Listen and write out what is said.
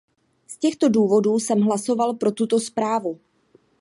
Z těchto důvodů jsem hlasoval pro tuto zprávu.